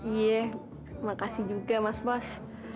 iya makasih juga mas bos